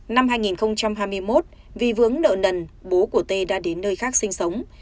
năm hai nghìn hai mươi một vì vướng nợ nần bố của tê đã đến nơi khác sinh sống